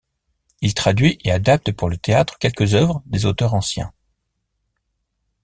Il traduit et adapte pour le Théâtre quelques œuvres des auteurs anciens.